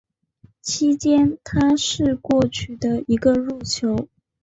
其间他试过取得一个入球。